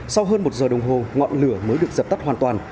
sau hơn một giờ đồng hồ ngọn lửa mới được dập tắt hoàn toàn